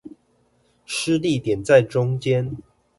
施力點在中間